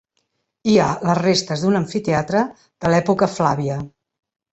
Hi ha les restes d'un amfiteatre de l'època flàvia.